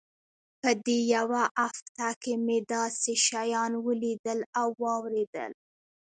په دې يوه هفته کښې مې داسې شيان وليدل او واورېدل.